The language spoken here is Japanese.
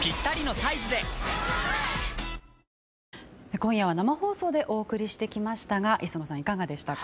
今夜は生放送でお送りしてきましたが磯野さん、いかがでしたか？